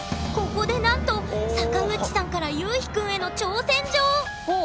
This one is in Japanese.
ここでなんと坂口さんからゆうひくんへの挑戦状！